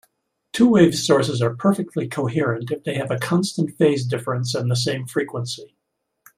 Two-wave sources are perfectly coherent if they have a constant phase difference and the same frequency.